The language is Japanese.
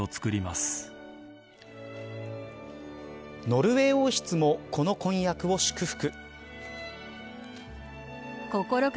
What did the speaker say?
ノルウェー王室もこの婚約を祝福。